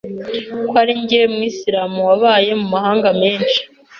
ko arinjye mwisiramu wabaye mu mahanga menshi